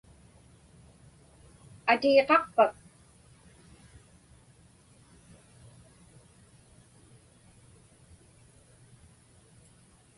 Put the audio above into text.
Atigiqaqpak?